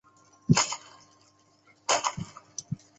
一楼大厅左边墙上挂着蔡锷画像。